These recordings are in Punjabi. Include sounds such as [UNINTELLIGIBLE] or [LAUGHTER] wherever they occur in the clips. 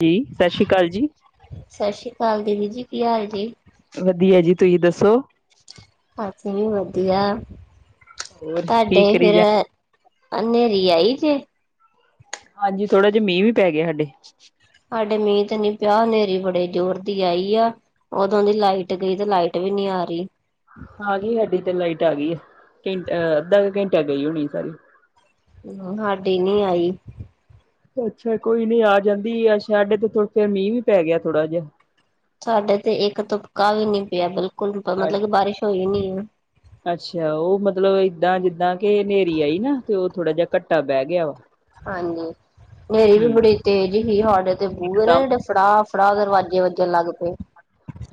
ਕੀ, ਸਸਰੀਕਾਲ ਜੀ। ਸਸਰੀਕਾਲ ਦੀਦੀ ਜੀ, ਕੀ ਹਾਲ ਜੀ ਵਧੀਆ ਜੀ, ਤੁਸੀਂ ਦੱਸੋ। ਅਸੀ ਵੀ ਵਧੀਆ, ਹੋਰ ਕੀ ਤਾਡੇ ਕਰੀ ਫੇਰ ਜਾ ਅ ਨੇਰੀ ਆਈ ਜੇ। ਹਾਂਜੀ ਥੋੜਾ ਜਿਹਾ ਮੀਂਹ ਵੀ ਪੈ ਗਿਆ ਹਾਡੇ ਸਾਡੇ ਮੀਂਹ ਤੇ ਨੀ ਪਿਆ, ਹਨੇਰੀ ਬੜੇ ਜ਼ੋਰ ਦੀ ਆਈ ਆ। ਉਦੋਂ ਦੀ ਲਾਈਟ ਗਈ, ਤੇ ਲਾਈਟ ਵੀ ਨੀ ਆ ਰਹੀ। ਆ ਗਈ ਹਾਡੀ ਤੇ ਲਾਈਟ ਆ ਗਈ ਐ। ਟਿ, ਅੱਧਾ ਕ ਘੰਟਾ ਗਈ ਹੋਣੀ ਸਾਰੀ ਹਮ, ਹਾਡੀ ਨੀ ਆਈ। ਅੱਛਾ ਕੋਈ ਨੀ ਆ ਜਾਂਦੀ ਆ, ਸਾਇਡੇ ਕੁਛ ਦੇਰ ਫੇਰ ਮੀਂਹ ਵੀ ਪੈ ਗਿਆ ਥੋੜ੍ਹਾ ਜਿਹਾ। ਸਾਡੇ ਤੇ ਇੱਕ ਤੁਪਕਾ ਵੀ ਨੀ ਪਿਆ। ਬਿਲਕੁਲ, ਅੱ ਮਤਲਬ ਕਿ ਬਾਰਿਸ਼ ਹੋਈ ਨੀ ਐ। ਅੱਛਾ, ਉਹ ਮਤਲਬ ਐਦਾਂ ਜਿੱਦਾਂ ਕੇ ਨੇਰੀ ਆਈ ਨਾ। ਤੇ ਉਹ ਥੋੜਾ ਜਿਹਾ ਘੱਟਾ ਬਹਿ ਗਿਆ ਓ ਹਾਂਜੀ, ਨੇਰੀ ਵੀ ਬੜੀ ਤੇਜ਼ ਹੀ, ਹਾਡੇ ਤੇ ਬੂਹੇ ਨਾ ਇਕਦਮ ਜੇੜੇ ਫੜਾਅ -ਫੜਾਅ ਦਰਵਾਜੇ ਵਜੱਣ ਲੱਗ ਪਏ।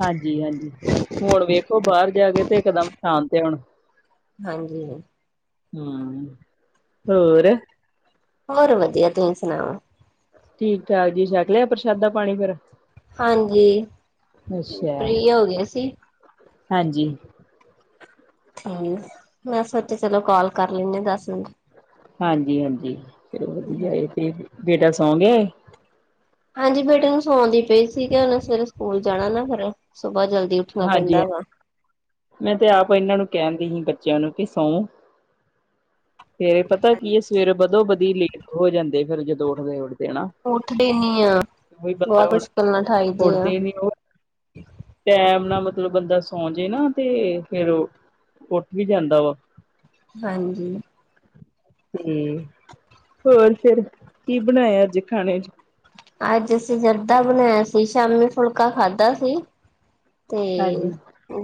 ਹਾਂਜੀ- ਹਾਂਜੀ, ਹੁਣ ਵੇਖੋ ਬਾਹਰ ਜਾ ਕੇ ਤੇ ਇਕਦਮ ਸ਼ਾਂਤ ਐ ਹੁਣ ਹਾਂਜੀ। ਹਮ, ਹੋਰ ਹੋਰ ਵਧੀਆ, ਤੁਸੀਂ ਸੁਣਾਓ। ਠੀਕ- ਠਾਕ ਜੀ, ਛਕ ਲਿਆ ਪ੍ਰਸ਼ਾਦਾ ਪਾਣੀ ਫਿਰ ਹਾਂਜੀ, ਅੱਛਾ ਫਰੀ ਹੋ ਗਏ ਸੀ। ਹਾਂਜੀ। ਠੀਕ, ਮੈਂ ਸੋਚਿਆ ਚਲੋ ਕੋਲ ਕਰ ਲੈਂਨੀ ਦਸ ਮਿੰਟ ਹਾਂਜੀ- ਹਾਂਜੀ, ਚਲੋ ਵਧੀਆ ਇਹ ਤੇ, ਬੇਟਾ ਸੌ ਗਿਆ ਏ। ਹਾਂਜੀ ਬੇਟੇ ਨੂੰ ਸਉਂਦੀ ਪਈ ਸੀ। ਕਿ ਉਹਨੇ ਸਵੇਰੇ ਸਕੂਲ ਜਾਣਾ ਨਾ ਫਿਰ, ਸੁਬਾਹ ਜਲਦੀ ਦੇਖਣਾ ਹਾਂਜੀ ਪੈਂਦਾ ਗਾ। ਮੈਂ ਤੇ ਆਪ ਇਹਨਾਂ ਨੂੰ ਕਹਿਣਦੀ ਸੀ, ਬੱਚਿਆਂ ਨੂੰ ਕਿ ਸੌਂ ਫੇਰ ਪਤਾ ਕੀ ਐ, ਸਵੇਰੇ ਵਧੋ ਬਧੀ ਲੇਟ ਹੋ ਜਾਂਦੇ ਫਿਰ ਜਦੋਂ ਉੱਠਦੇ- ਉੱਠਦੇ ਹਨਾ। ਉੱਠਦੇ ਨੀ ਆ, ਬਹੁਤ ਹੁਣ ਮੁਸ਼ਕਿਲ ਨਾਲ ਉਠਾਈਦੇ ਆ। ਉੱਠਦੇ ਨੀ ਉਹ ਟੈਮ ਨਾ ਮਤਲਬ ਤੇ ਬੰਦਾ ਸੌਂ ਜੇ ਨਾ ਤੇ, ਫਿਰ ਉੱਠ ਵੀ ਜਾਂਦਾ ਵਾ। ਹਾਂਜੀ। ਹਮ, ਹੋਰ ਫੇਰ ਕੀ ਬਣਾਇਆ ਅੱਜ ਖਾਣੇ 'ਚ ਅੱਜ ਅਸੀਂ ਜਰਦਾ ਬਣਾਇਆ ਸੀ, ਸ਼ਾਮੀ ਫੁਲਕਾ ਖਾਧਾ ਸੀ। ਤੇ, ਹਾਂਜੀ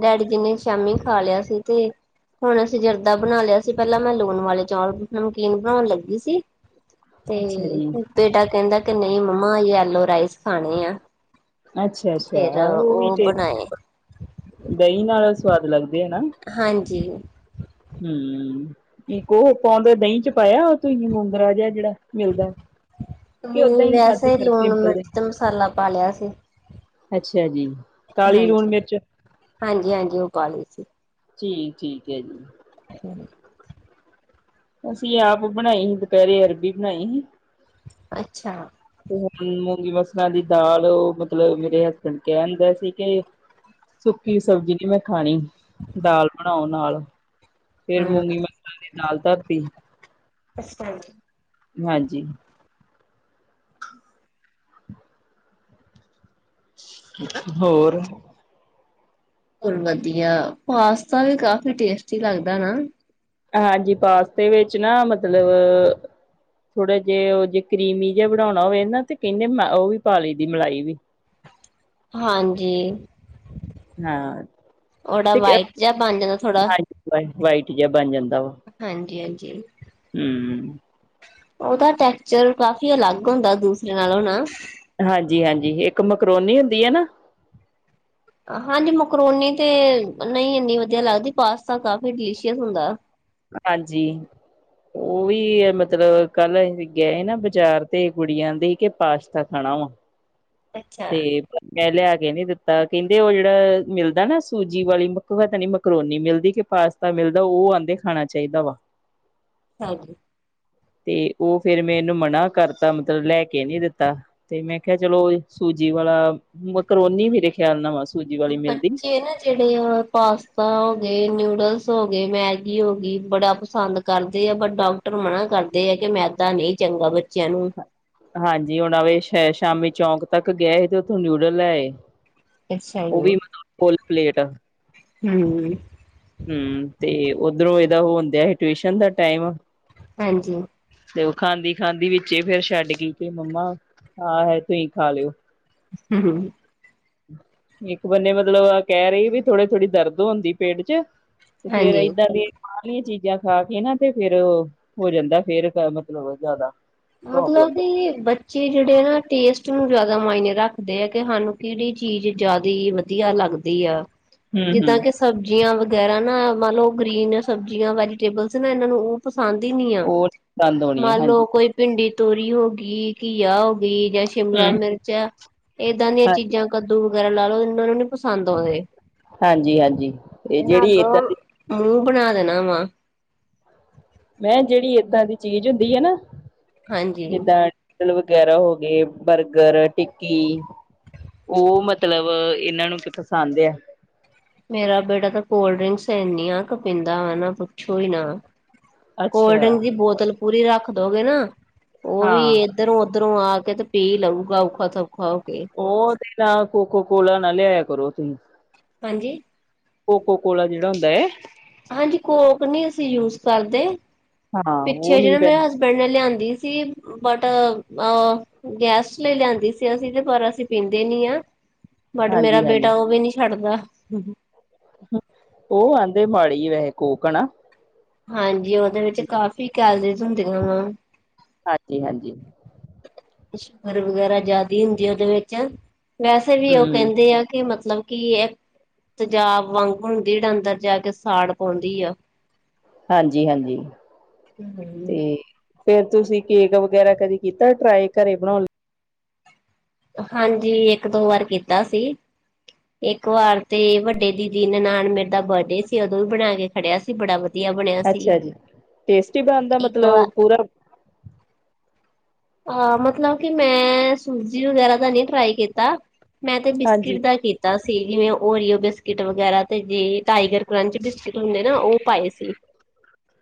ਡੈਡੀ ਜੀ ਨੇ ਸ਼ਾਮੀ ਖਾ ਲਿਆ ਸੀ 'ਤੇ ਹੁਣ ਅਸੀਂ ਜਰਦਾ ਬਣਾ ਲਿਆ ਸੀ, ਪੈਲਾਂ ਮੈਂ ਲੂਣ ਵਾਲੇ ਚੌਲ ਨਮਕੀਨ ਬਣਾਉਣ ਲੱਗੀ ਸੀ। ਅੱਛਾ 'ਤੇ, ਜੀ ਬੇਟਾ ਕੈਂਦਾ ਕਿ ਨਹੀਂ ਮੰਮਾ, ਯੈਲੋ ਰਾਈਸ ਖਾਣੇ ਆ ਫਿਰ ਅੱਛਾ-ਅੱਛਾ, ਉਹ ਵੀ 'ਤੇ, ਬਣਾਏ ਦਹੀਂ ਨਾਲ ਸਵਾਦ ਲੱਗਦੇ ਆ ਹਨਾ ਹਾਂਜੀ। ਹਮ, ਇੱਕ ਉਹ ਪਾਉਂਦੇ ਦਹੀਂ 'ਚ ਪਾਇਆ ਤੂੰ ਮੂੰਗਰਾ ਜਿਹਾ ਜੇੜਾ ਮਿਲਦਾ। ਕਿ ਓਦਾਂ ਓ ਹੀ ਖਾਧੇ ਵੈਸੇ ਫਿਰ ਲੂਣ, ਸਿੰਪਲ ਦੇ ਮਿਰਚਤੇ ਮਸਾਲਾ ਪਾ ਲਿਆ ਸੀ। ਅੱਛਾਜੀ, ਕਾਲੀ ਲੂਣ ਮਿਰਚ। ਹਾਂਜੀ-ਹਾਂਜੀ ਉਹ ਪਾਲ ਰਹੀ ਸੀ। ਠੀਕ-ਠੀਕ ਐ ਜੀ। ਅੱਛਾ ਜੀ। ਅਸੀਂ ਆਪ ਬਣਾਈ ਸੀ, ਦੁਪਹਿਰੇ ਅਰਬੀ ਬਣਾਈ ਸੀ। ਅੱਛਾ। ਤੇ ਹੁਣ ਮੂੰਗੀ ਮਸਲਾਂ ਦੀ ਦਾਲ ਮਤਲਬ ਮੇਰੇ ਹਸਬੈਂਡ ਕਹਿਨ ਦੇ ਸੀ ਕੇ। ਸੁੱਕੀ ਸਬਜ਼ੀ ਨੀ ਮੈਂ ਖਾਣੀ, ਦਾਲ ਬਣਾਓ ਨਾਲ ਫੇਰ ਹਮ ਮੂੰਗੀ ਮ ਸਰਾਂ ਦੀ ਦਾਲ ਧਰਤੀ। ਅਸੀਂ ਤੇ ਆਏ ਨੀ। ਹਾਂਜੀ। ਹੋਰ? ਹੋਰ ਵਧੀਆ ਪਾਸਤਾ ਵੀ ਕਾਫੀ ਟੇਸਟੀ ਲੱਗਦਾ ਨਾ। ਹਾਂਜੀ, ਪਾਸਤੇ ਵਿੱਚ ਨਾ ਮਤਲਬ ਥੋੜਾ ਜਿਹੇ ਉਹ ਜੇ ਕਰੀਮੀ ਜਿਹਾ ਬਣਾਉਣਾ ਹੋਵੇ ਨਾ 'ਤੇ ਕਹਿੰਦੇ ਉਹ ਵੀ ਪਾ ਲਈ ਦੀ ਮਲਾਈ ਵੀ। ਹਾਂਜੀ, ਹਾਂ ਉਨਾਂ ਵਾਈਟ ਜਾਂ ਬੰਜ ਜਾਂਦਾ ਥੋੜਾ। ਵਾਈਟ-ਵਾਇਟ ਜਿਹਾ ਬਣ ਜਾਂਦਾ ਵਾ। ਹਾਂਜੀ-ਹਾਂਜੀ। ਹੂੰ। ਉਹ ਦਾ ਟੈਕਸਚਰ ਕਾਫੀ ਅਲੱਗ ਹੁੰਦਾ ਦੂਸਰੇ ਨਾਲੋਂ ਹੈ। ਹਾਂਜੀ-ਹਾਂਜੀ ਇੱਕ ਮੈਕਰੋਨੀ ਹੁੰਦੀ ਹੈ ਨਾ। ਹਾਂਜੀ, ਮਕਰੋਨੀ ਤੇ ਨਹੀਂ ਇੰਨੀ ਵਧੀਆ ਲੱਗਦੀ ਪਾਸਤਾ ਕਾਫ਼ੀ ਡਿਲੀਸ਼ੀਅਸ ਹੁੰਦਾ। ਹਾਂਜੀ। ਉਹ ਵੀ ਏ ਮਤਲਬ ਕੱਲ ਅਸੀਂ ਗਏ ਨਾ ਬਾਜ਼ਾਰ 'ਤੇ ਕੁੜੀਆਂ ਆਂਦੀ ਕੇ ਪਾਸ਼ਤਾ ਖਾਣਾ ਵਾ। [INAUDIBLE] ਤੇ ਮੈਂ ਲਿਆ ਕੇ ਨੀ ਦਿੱਤਾ ਕਹਿੰਦੇ ਉਹ ਜਿਹੜਾ ਮਿਲਦਾ ਨਾ ਸੂਜੀ ਵਾਲੀ ਪਤਾ ਨ ਮਕਰੋਨੀ ਮਿਲਦੀ ਕਿ ਪਾਸ ਤਾਂ ਮਿਲਦਾ ਉਹ ਆਹਂਦੇ ਖਾਣਾ ਚਾਹੀਦਾ ਵਾ। ਹਾਂਜੀ ਜੀ। 'ਤੇ ਉਹ ਫੇਰ ਮੈਨੂੰ ਮਨਾ ਕਰਤਾ ਮਤਲਬ ਲੈ ਕੇ ਨੀ ਦਿੱਤਾ 'ਤੇ ਮੈਂ ਕਿਹਾ ਚਲੋ ਸੂਜੀ ਵਾਲਾ ਮਕਰੋਨੀ ਮੇਰੇ ਖਿਆਲ ਨਾਲ ਵਾ ਸੂਜੀ ਵਾਲੀ ਮਿਲਦੀ। ਬੱਚੇ ਨਾ ਜਿਹੜੇ ਓ ਪਾਸਤਾ ਹੋ ਗਏ ਨਿੂਡਲਸ ਹੋ ਗਏ, ਮੈਗੀ ਹੋ ਗਈ, ਬੜਾ ਪਸੰਦ ਕਰਦੇ ਆ ਪਰ ਡਾਕਟਰ ਮਨਾ ਕਰਦੇ ਆ ਕਿ ਮੈਦਾ ਨਹੀਂ ਚੰਗਾ ਬੱਚਿਆਂ ਨੂੰ। ਹਾਂਜੀ, ਹੁਣ ਆਵੇ ਸ਼ਾਮੀ ਚੌਂਕ ਤੱਕ ਗਏ ਸੀ ਤੇ ਉੱਥੋਂ ਨਿਊਡਲ ਲੈ ਆਏ। ਅੱਛਾ ਉਹ ਵੀ ਜੀ, ਫੁੱਲ ਪਲੇਟ। ਹੂੰ। ਹੂੰ, ਤੇ ਓਧਰੋਂ ਇਹਦਾ ਹੋਣ ਦਿਆਂ ਸੀ ਟਿਊਸ਼ਨ ਦਾ ਟਾਇਮ। ਹਾਂਜੀ। ਤੇ ਓ ਖਾਂਦੀ- ਖਾਂਦੀ ਵਿੱਚੇ ਫੇਰ ਛੱਡਗੀ ਕੇ ਮੰਮਾ ਆਹ ਐ ਤੁਸੀਂ ਖਾ ਲਿਓ। ਹੂੰ -ਹੂੰ ਇੱਕ ਬੰਨੇ ਮਤਲਬ ਇਹ ਕਹਿ ਰਹੀ ਵੀ ਥੋੜੀ- ਥੋੜੀ ਦਰਦ ਹੁੰਦੀ ਪੇਟ ਚ, ਤੇ ਫੇਰ ਹਾਂਜੀ। ਏਦਾਂ ਦੇ ਬਾਰਲੀ ਆ ਚੀਜ਼ਾਂ ਖਾ ਕੇ ਨਾ ਤੇ ਫੇਰ, ਹੋ ਜਾਂਦਾ ਫੇਰ ਮਤਲਬ ਜਾਦਾ। ਮਤਲਬ ਕਿ ਬ ਚੇ ਜਿਹੜੇ ਆ ਨਾ ਟੇਸਟ ਨੂੰ ਜਿਆਦਾ ਮਾਇਨੇ ਰੱਖਦੇ ਆ ਕਿ ਸਾਨੂੰ ਕਿਹੜੀ ਚੀਜ਼ ਜਿਆਦਾ ਈ ਵਧੀਆ ਲੱਗ ਦੀ ਆ। ਹਮ ਜਿੱਦਾਂ ਹਮ ਕਿ ਸਬਜ਼ੀਆਂ ਵਗੈਰਾ ਨਾ ਮਨਲਓ ਗ੍ਰੀਨ ਸਬਜ਼ੀਆਂ ਵੈਜੀਟੇਬਲਸ ਨੇ ਇਹਨਾਂ ਨੂੰ ਉਹ ਪਸੰਦ ਈ ਨੀ ਆ, ਉਹ ਦੰਦ ਹੋਣੀ ਆ ਮੰਨ ਹਾਂਜੀ ਲਓ ਕੋਈ ਭਿੰਡੀ ਤੋਰੀ ਹੋ ਗਈ ਘੀਆ ਹੋ ਗਈ ਜਾਂ ਸ਼ਿਮਲਾ ਹਮ ਮਿਰਚ ਏ ਏਦਾਂ ਦੀਆਂ ਹਾਂ ਚੀਜ਼ਾਂ ਕੱਦੂ ਵਗੈਰਾ ਲਾ ਲਓ ਇਹਨਾਂ ਉਹਨਾਂ ਨੂੰ ਪਸੰਦ ਆਉਦੇ, ਹਾਂਜੀ ਹਾਂਜੀ ਇਹ ਇਹਨਾਂ ਜਿਹੜੀ ਅੱਗੋਂ ਏਦਾਂ ਦੀ ਮੂੰਹ ਬਣਾ ਦੇਣਾ ਵਾ ਮੈਂ ਕਿਹਾ ਜਿਹੜੀ ਏਦਾਂ ਦੀ ਚੀਜ਼ ਹੁੰਦੀ ਏ ਨਾ, ਹਾਂਜੀ। ਜਿੱਦਾਂ ਨੋਡਲ ਵਗੈਰਾ ਹੋ ਗਏ ਬਰਗਰ ਟਿੱਕੀ ਉਹ ਮਤਲਬ ਇਹਨਾਂ ਨੂੰ ਪਸੰਦ ਐ। ਮੇਰਾ ਬੇਟਾ ਤਾਂ ਕੋਲਡ ਡਰਿੰਕਸ ਇਨੀਆਂ ਕੁ ਪੀਂਦਾ ਵਾ ਨਾ ਪੁੱਛੋ ਈ ਨਾ ਕੋਲਡ ਅੱਛਾ ਡਰਿੰਕ ਦੀ ਬੋਤਲ ਪੂਰੀ ਰੱਖ ਦੋਗੇ ਨਾ ਉਹ ਵੀ ਹਾਂ ਇਧਰੋਂ ਉੱਧਰੋਂ ਆ ਕੇ ਤੇ ਪੀ ਲਊਗਾ ਔਖਾ ਸੌਖਾ ਹੋ ਕੇ। ਉਹ ਤੇ ਤਾਂ ਕੋਕੋੋ ਕੋਲਾ ਨਾ ਲਿਆਇਆ ਕਰੋ ਤੁਸੀਂ। ਹਾਂਜੀ ਕੋਕੋ ਕੋਲਾ ਜਿਹੜਾ ਹੁੰਦਾ ਏ। ਹਾਂਜੀ ਕੋਕ ਨੀ ਅਸੀਂ ਯੂਜ ਕਰਦੇ, ਹਾਂ ਉਹ ਪਿੱਛੇ ਨੀ ਜਿਹੜਾ ਪੈ ਮੇਰਾ ਹਸਬ ਬੜ ਨੇ ਲਿਆਦੀ ਸੀ। ਬਟ ਅਹ ਅਹ ਗੈਸਟ ਲਈ ਲਿਆਂਦੀ ਸੀ ਅਸੀਂ ਤੇ ਪਰ ਅਸੀਂ ਪੀਂਦੇ ਨੀ ਆ। ਬਟ ਮੇਰਾ ਹਾਂਜੀ ਹਾਂਜੀ ਬੇਟਾ ਉਹ ਵੀ ਨੀ ਛੱਡਦਾ। ਉਹ ਆਹਂਦੇ ਮਾੜੀ ਵੈਸੇ ਕੋਕ ਹੈਨਾ। ਹਾਂਜੀ ਉਹਦੇ ਵਿੱਚ ਕਾਫੀ ਕੈਲਰੀਜ਼ ਹੁੰਦੀਆਂ ਵਾ ਹਾਂਜੀ-ਹਾਂਜੀ, ਸ਼ੂਗਰ ਵਗੈਰਾ ਜ਼ਿਆਦਾ ਈ ਹੁੰਦੀ ਉਹਦੇ ਵਿੱਚ ਵੈਸੇ ਵੀ ਉਹ ਹਮ ਕਹਿੰਦੇ ਆ ਕਿ ਮਤਲਬ ਕੀ ਇਕ ਤੇਜਾਬ ਵਾਂਗ ਹੁੰਦੀ ਅੰਦਰ ਜਾ ਕੇ ਸਾੜ ਪਾਉਂਦੀ ਆ। ਹਾਂਜੀ-ਹਾਂਜੀ ਤੇ ਫੇਰ ਤੁਸੀਂ ਕੇਕ ਵਗੈਰਾ ਕਦੀ ਕੀਤਾ ਟਰਾਈ ਘਰੇ ਬਣਾਉਣ ਲ ਹਾਂਜੀ ਇੱਕ ਦੋ ਬਾਰ ਕੀਤਾ ਸੀ। ਇਕ ਵਾਰ ਤੇ ਵੱਡੇ ਦੀਦੀ ਨਨਾਣ ਮੇਰੀ ਦਾ ਬਡੇ ਸੀ ਉਦੋਂ ਵੀ ਬਣਾ ਕੇ ਖੜਿਆ ਸੀ ਬੜ ਵਧੀ ਵਧੀਆ ਬਣਿਆ ਲਈ ਸੀ, ਅੱਛਾ ਜੀ ਟੇਸਟੀ ਬਣਦਾ ਇੱਕ ਵਾਰ ਮਤਲਬ ਪੂਰਾ ਅ ਮਤਲਬ ਕਿ ਮੈਂ ਸੂਜੀ ਵਗੈਰਾ ਦਾ ਨੀ ਟਰਾਈ ਕੀਤਾ। ਮੈਂ ਤੇ ਬਿਸਕਿਟ ਹਾਂਜੀ ਦਾ ਕੀਤਾ ਤਾਂ ਸੀ ਜਿਵੇਂ ਓਰੀਓ ਬਿਸਕਿਟ ਵਗੈਰਾ ਤੇ ਜੇ ਟਾਈਗਰ ਕਰੰਚ ਬਿਸਕਿਟ ਹੁੰਦੇ ਨਾ ਉਹ ਪਾਏ ਸੀ।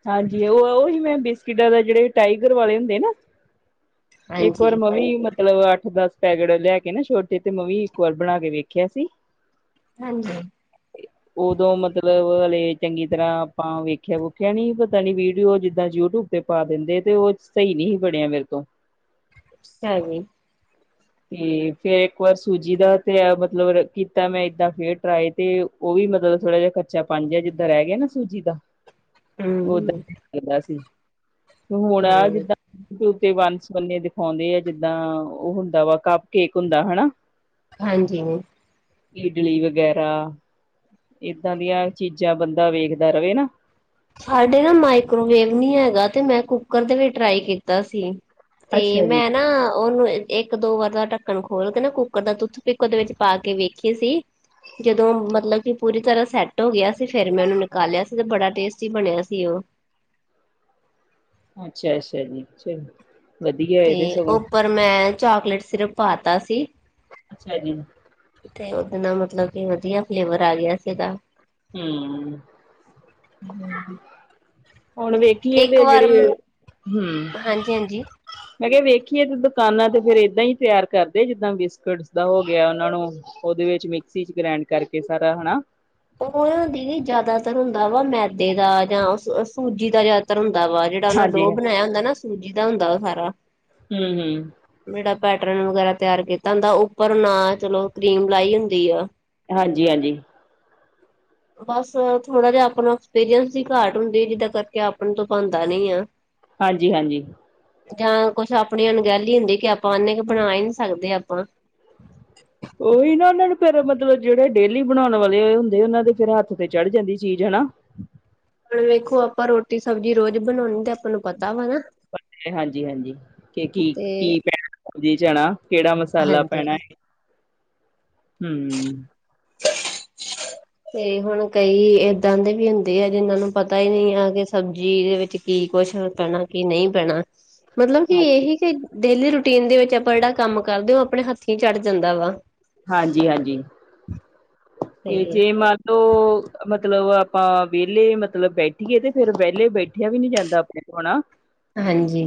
ਹਾਂਜੀ ਉਹ ਉਹੀ ਮੈਂ ਬਿਸਕਿਟਾਂ ਦਾ ਜਿਹੜੇ ਟਾਈਗਰ ਵਾਲੇ ਹੁੰਦੇ ਨਾ ਇੱਕ ਵਾਰ ਹਾਂਜੀ ਮੈ ਵੀ ਮ ਮਤਲਬ ਅੱਠ ਦਸ ਪੈਕਟ ਲਿਆ ਕੇ ਨਾ ਛੋਟੇ ਤੇ ਮੈ ਵੀ ਇੱਕ ਵਾਰ ਬਣਾ ਕੇ ਵੇਖਿਆ ਸੀ। ਹਾਂਜੀ, ਉਦੋਂ ਮਤਲਬ ਹਲੇ ਚੰਗੀ ਤਰ੍ਹਾਂ ਆਪਾਂ ਵੇਖਿਆ ਕਹਿਣੀ ਪਤਾ ਨੀ ਵੀਡੀਓ ਜਿੱਦਾਂ ਯੂਟਿਊਬ ਤੇ ਪਾ ਦਿੰਦੇ ਤੇ ਉਹ ਸਹੀ ਨੀ ਸੀ ਬਣਿਆ ਮੇਰੇ ਤੋਂ [INAUDIBLE] ਤੇ ਫੇਰ ਇੱਕ ਵਾਰ ਸੂਜੀ ਦਾ ਤੇ ਮਤਲਬ ਕੀਤਾ ਮੈਂ ਏਦਾਂ ਫੇਰ ਟਰਾਈ ਤੇ ਉਹ ਵੀ ਮਤਲਬ ਥੋੜਾ ਜਿਹਾ ਕੱਚਾਪਣ ਜਿਹਾ ਜਿਦਾਂ ਰਹਿ ਗਿਆ ਨਾ ਸੂਜੀ ਦਾ ਦਾਂ ਹੂੰ ਲਗਦਾ ਸੀ, ਤੇ ਹੁਣ ਆ ਹੂੰ ਜਿੱਦਾਂ ਯੂਟਿਊਬ ਤੇ ਬੰਨ ਸਬੰਨੇ ਦਿਖਾਉਂਦੇ ਆ ਜਿੱਦਾਂ ਉਹ ਹੁੰਦਾ ਵਾ ਕੱਪ ਕੇਕ ਹੁੰਦਾ ਹਨਾ ਹਾਂਜੀ। ਇਡਲੀ ਵਗੈਰਾ ਏਦਾਂ ਦੀਆਂ ਚੀਜ਼ਾਂ ਬੰਦਾ ਵੇਖਦਾ ਰਵੇ ਨਾ ਸਾਡੇ ਨਾ ਮਾਈਕ੍ਰੋਵੇਵ ਨੀ ਹੈਗਾ ਤੇ ਮੈਂ ਕੁੱਕਰ ਦੇ ਵੀ ਟਰਾਏ ਕੀਤਾ ਸੀ। ਤੇ ਅੱਛਾ ਜੀ ਮੈਂ ਨਾ ਉਨੂੰ ਇੱਕ-ਦੋ ਵਾਰ ਦਾ ਢੱਕਣ ਖੋਲ ਕੇ ਨਾ ਕੁੱਕਰ ਦਾ ਤੁੁੱਥ ਪਿਕ ਉਦੇ ਵਿੱਚ ਪਾ ਕੇ ਵੇਖੀ ਸੀ ਜਦੋਂ ਮਤਲਬ ਕਿ ਪੂਰੀ ਤਰਾਂ ਸੈੱਟ ਹੋ ਗਿਆ ਸੀ ਫੇਰ ਮੈਂ ਉਨੂੰ ਨਿਕਾਲਿਆ ਸੀ ਤੇ ਬੜਾ ਟੇਸ ਟੀ ਬਣਿਆ ਸੀ ਓ। ਅੱਛਾ-ਅੱਛਾ ਜੀ ਚਲ। ਤੇ ਉੱਪਰ ਮੈਂ ਚਾਕਲੇਟ ਸਿਰਪ ਪਾਤਾ ਸੀ। ਅੱਛਾ ਜੀ। ਤੇ ਉਦੇ ਨਾ ਮਤਲਬ ਕਿ ਵਧੀਆ ਫਲੇਵਰ ਆ ਗਿਆ ਸੀਗਾ। ਹੂੰ। ਹੁਣ ਵੇਖੀਏ ਇੱਕ ਤੇ ਵਾਰ ਜੇੜੀ, ਹੂ ਹਾਂਜੀ-ਹਾਂਜੀ। ਮੈਂ ਕੇਆ ਵੇਖੀਏ ਤੇ ਦੁਕਾਨਾਂ ਤੇ ਫਿਰ ਏਦਾਂ ਈ ਤਿਆਰ ਕਰਦੇ ਜਿੱਦਾਂ ਬਿਸਕੁਟਸ ਦਾ ਹੋ ਗਿਆ ਉਨਾਂ ਨੂੰ ਉਦੇ ਵਿੱਚ ਮਿਕਸੀ 'ਚ ਗ੍ਰੈਂਡ ਕਰਕੇ ਸਾਰਾ ਹਨਾ। ਓ ਹੋ ਨਾ ਦੀਦੀ ਜ਼ਿਆਦਾਤਰ ਹੁੰਦਾ ਵਾ ਮੈਦੇ ਦਾ ਜਾਂ ਸ ਸੂਜੀ ਦਾ ਜਾ ਤਰ ਹੁੰਦਾ ਵਾ ਜੇੜਾ ਉਨਾਂ ਹਾਂਜੀ ਡੋ ਬਣਾਇਆ ਹੁੰਦਾ ਨਾ ਸੂਜੀ ਦਾ ਹੁੰਦਾ ਓ ਸਾਰਾ। ਹੂੰ-ਹੂੰ। ਜੇੜਾ ਪੈਟਰਨ ਵਗੈਰਾ ਤਿਆਰ ਕੀਤਾ ਹੁੰਦਾ ਉੱਪਰ ਨਾ ਚਲੋ ਕਰੀਮ ਲਾਈ ਹੁੰਦੀ ਆ। ਹਾਂਜੀ-ਹਾਂਜੀ। ਬਸ ਥੋੜਾ ਜਾ ਆਪਾਂ ਨੂੰ ਐਕਸਪੀਰੀਅੰਸ ਦੀ ਘਾਟ ਹੁੰਦੀ ਜਿੱਦਾਂ ਕਰਕੇ ਆਪਣੇ ਤੋਂ ਬਣਦਾ ਨੀ ਆ। ਹਾਂਜੀ-ਹਾਂਜੀ। ਜਾਂ ਕੁਛ ਆਪਣੀ ਅਣਗਹਿਲੀ ਹੁੰਦੀ ਕਿ ਆਪਾਂ ਉਨੇ ਕ ਬਣਾ ਏ ਨੀ ਸਕਦੇ ਆਪਾਂ। [INAUDIBLE] ਉਹੀ ਨਾ ਉਨਾਂ ਨੂੰ ਫਿਰ ਮਤਲਬ ਜੇੜੇ ਡੇਲੀ ਬਣਾਉਣ ਵਾਲੇ ਹੁੰਦੇ ਉਨਾਂ ਦੇ ਫਿਰ ਹੱਥ ਤੇ ਚੜ ਜਾਂਦੀ ਚੀਜ਼ ਹਨਾ। ਹੁਣ ਵੇਖੋ ਆਪਾਂ ਰੋਟੀ ਸਬਜ਼ੀ ਰੋਜ਼ ਬਣਾਣੇ ਤੇ ਆਪਾਂ ਨੂੰ ਪ ਤਾ ਵਾ ਨਾ। ਪਤੈ ਹਾਂਜੀ-ਹਾਂਜੀ ਕੇ ਕੀ, ਤੇ ਕੀ ਪੈਣਾ। ਹਾਂਜੀ ਚਣਾ ਕੇੜਾ ਮਸਾਲਾ ਹਾਂਜੀ ਪੈਣਾ ਏ, ਹੂੰ। ਤੇ ਹੁਣ ਕਈ ਏਦਾਂ ਦੇ ਵੀ ਹੁੰਦੇ ਆ ਜਿਨਾਂ ਨੂੰ ਪਤਾ ਈ ਨੀ ਆ ਕਿ ਸਬਜ਼ੀ ਦੇ ਵਿੱਚ ਕੀ ਕੁਛ ਪੈਣਾ, ਕੀ ਨਈ ਪੈਣਾ। ਮਤਲਬ ਕਿ ਏਹੀ ਕੇ ਡੇਲੀ ਰੂਟੀਨ ਦੇ ਵਿੱਚ ਆਪਾਂ ਜੇੜਾ ਕੰਮ ਕਰਦੇ ਓ ਆਪਣੇ ਹੱਥੀ ਚੜ ਜਾਂਦਾ ਵਾ। ਹਾਂਜੀ-ਹਾਂਜੀ 'ਤੇ ਜੇ ਮਨ [INAUDIBLE] ਮਤਲਬ ਆਪਾਂ ਵੇਲੇ ਮਤਲਬ ਬੈਠੀਏ ਤੇ ਫੇਰ ਵੇਲੇ ਬੈਠਿਆ ਵੀ ਨੀ ਜਾਂਦਾ ਆਪਣੇ ਤੋਂ ਹਨਾ। ਹਾਂਜੀ।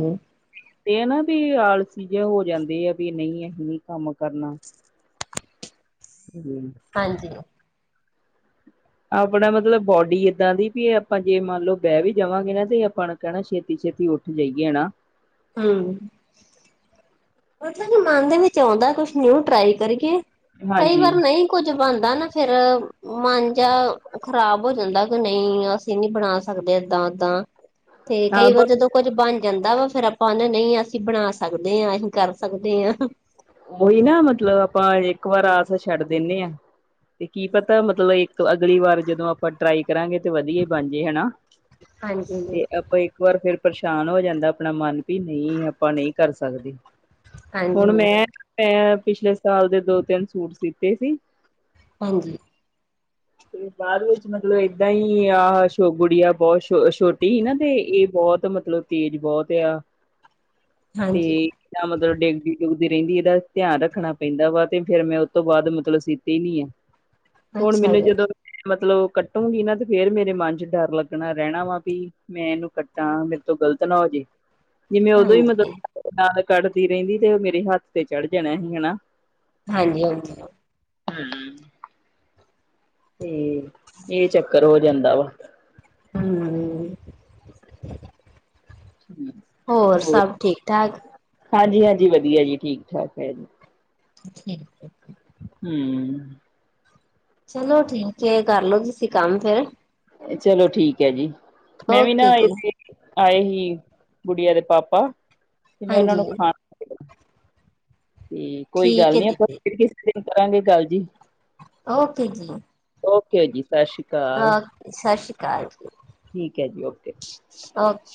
ਤੇ ਆ ਨਾ ਵੀ ਆਲਸੀ ਜਾ ਹੋ ਜਾਂਦੀ ਆ ਵੀ ਨਈ ਐ ਨੀ ਕੰਮ ਕਰਨਾ। ਹੂੰ। ਹਾਂਜੀ। ਆਪਣਾ ਮਤਲਬ ਬੋਡੀ ਏਦਾਂ ਦੀ ਵੀ ਆਪਾਂ ਜੇ ਮੰਨ ਲੋ ਬੈ ਵੀ ਜਾਵਾਂਗੇ ਨਾ ਤੇ ਆਪਣ ਕੈਣਾ ਛੇਤੀ-ਛੇਤੀ ਉੱਠ ਜਾਈਏ ਨਾ। ਹੂੰ। ਮਤਲਬ ਕਿ ਮਨ ਦੇ ਵਿੱਚ ਆਂਦਾ ਕੁਛ ਨਿਊ ਟਰਾਈ ਕਰੀਏ, ਕਈ ਹਾਂਜੀ ਵਾਰ ਨਈ ਕੁੱਝ ਬਣਦਾ ਨਾ ਫੇਰ ਮਨ ਜਾ ਖ਼ਰਾਬ ਹੋ ਜਾਂਦਾ ਕਿ ਨਈ ਅ ਸੀ ਨੀ ਬਣਾ ਸਕਦੇ ਏਦਾਂ ਉਦਾਂ। ਤੇ ਹਾਂ ਕਈ ਪਰ ਵਾਰ ਜਦੋਂ ਕੁੱਝ ਬਣ ਜਾਂਦਾ ਵਾ ਫ਼ੇਰ ਆਪਾਂ ਆਹਣੇ, ਨਹੀਂ, ਅਸੀਂ ਬਣਾ ਸਕਦੇ ਆ ਅਹੀਂ। ਕਰ ਸਕਦੇ ਆ। ਉਹੀ ਨਾ ਮਤਲਬ, ਆਪਾਂ ਇੱਕ ਵਾਰ ਆਸ ਛੱਡ ਦਿਣੇ ਆ। ਤੇ ਕੀ ਪਤਾ ਮਤਲਬ ਇੱਕ, ਅਗਲੀ ਵਾਰ ਜਦੋਂ ਆਪਾਂ ਟਰਾਈ ਕਰਾਂਗੇ। ਤੇ ਵਧੀਆਂ ਈ ਬਣ ਜੇ ਹਨਾਂ, ਹਾਂਜੀ, ਜੀ, ਤੇ ਆਪ। ਇੱਕ ਵਾਰ ਫ਼ਿਰ ਪਰੇਸ਼ਾਨ ਹੋ ਜਾਂਦਾ ਆਪਣਾ ਮਨ, ਵੀ ਨਹੀਂ ਆਪਾਂ ਨਹੀਂ ਕਰ ਸਕਦੇ। ਹੁਣ ਹਾਂਜੀ, ਮੈਂ [INAUDIBLE] ਮੈਂ ਪਿਛਲੇ ਸਾਲ ਦੇ ਦੋ ਤਿੰਨ ਸੂਟ ਸੀਤੇ ਸੀ। ਹਾਂਜੀ। ਤੇ ਬਾਅਦ ਵਿੱਚ ਮਤਲਬ ਏਦਾਂ ਹੀ, ਆਹ ਸ਼ੋ ਗੁੜੀਆ ਬਹੁਤ ਛੋਹ, ਛੋਟੀ ਹੀ ਨਾ ਤੇ ਇਹ ਬਹੁਤ ਮਤ। ਮਤਲਬ, ਤੇਜ਼ ਬਹੁਤ ਏ ਆ। [INAUDIBLE] ਤੇ, ਹਾਂਜੀ ਕੱਲ੍ਹ ਓਦੋਂ ਡਿੱਗਦੀ- ਡੁਗਦੀ। ਰਹਿੰਦੀ, ਇਹਦਾ ਧਿਆਨ ਰੱਖਣਾ ਪੈਂਦਾ ਵਾ ਤੇ ਫੇ਼ਰ ਮੈਂ ਉਹ ਤੋਂ ਬਾਅਦ ਮਤਲਬ ਸੀਤੀ ਈ ਨੀ ਐ। ਹੁਣ ਅੱਛਾ ਮੈਨੂੰ, ਜੀ ਜਦੋਂ ਮਤਲਬ ਕੱਟੂਗੀ ਨਾ ਤੇ ਫ਼ੇਰ ਮੇਰੇ ਮਨ ਚ ਡਰ ਲੱਗਣਾ ਰਹਿਣਾ ਵਾ ਵੀ। ਮੈਂ ਇਹਨੂੰ ਕੱਟਾਂ, ਮੇਰੇ ਤੋਂ ਗ਼ਲਤ ਨਾ ਹੋ ਜੇ। ਜਿਵੇਂ ਉਦੋਂ ਹੀ ਮਤਲਬ ਹਾਂਜੀ। [INAUDIBLE] ਨਾਲ਼ ਕੱਢਦੀ ਰਹਿੰਦੀ ਤੇ ਉਹ ਮੇਰੇ ਹੱਥ ਤੇ ਚੜ੍ਹ ਜਾਣਾ ਸੀ ਹਨਾ। ਹਾਂਜੀ, ਹਾਂਜੀ ਹਮ। ਹੰ, ਤੇ ਇਹ ਚੱਕਰ ਹੋ ਜਾਂਦਾ ਵਾ। ਹੂੰ ਅ। ਹੂ, ਹੋਰ, ਸਭ ਠੀਕ ਠਾਕ? ਹਾਂਜੀ ਹਾਂਜੀ, ਵਧੀਆਂ ਜੀ ਠੀਕ ਠਾਕ ਹੈ ਜੀ। ਠੀਕ ਏ ਜੀ। [UNINTELLIGIBLE] ਹੂ ਅ ਚਲੋ ਠੀਕ ਹੈ, ਕਰਲੋ ਤੁਸੀਂ ਕੰਮ ਫੇ਼ਰ। ਚਲੋ ਠੀਕ ਹੈ ਜੀ, ਮੈਂ ਵੀ ਨਾ ਓਕੇ [UNINTELLIGIBLE] ਜੀ ਆਏ ਹੀ, ਗੁੜੀਆਂ ਦੇ ਪਾਪਾ, ਤੇ ਮੈਂ ਉਹਨਾਂ ਨੂੰ ਹਾਂਜੀ। ਖਾਣਾ। ਤੇ ਕੋਈ ਠੀਕ ਗੱਲ ਹੈ ਨੀ, ਆਪਾਂ ਦੀਦੀ ਫ਼ਿਰ ਕਿਸ ਦਿਨ ਕਰਾਂਗੇ ਗੱਲ ਜੀ। ਓਕੇ ਜੀ। ਓਕੇ ਜੀ ਸਸ਼੍ਰੀ ਹੋਰ ਸ਼ਸ਼ੀ ਕਾਲ ਜੀ। ਠੀਕ ਏ ਜੀ, ਓਕੇ। ਓਕੇ।